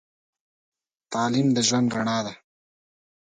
تعليم د ژوند رڼا ده.